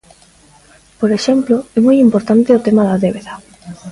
Por exemplo, é moi importante o tema da débeda.